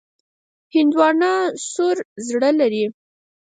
هندوانه سور زړه لري.